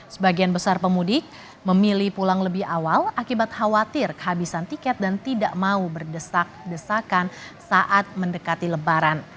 sebagian besar pemudik memilih pulang lebih awal akibat khawatir kehabisan tiket dan tidak mau berdesak desakan saat mendekati lebaran